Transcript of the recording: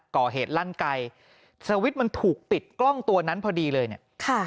ก่อเหตุลั่นไกลสวิตช์มันถูกปิดกล้องตัวนั้นพอดีเลยเนี่ยค่ะ